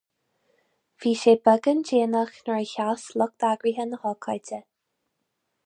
Bhí sé beagán déanach nuair a sheas lucht eagraithe na hócáide.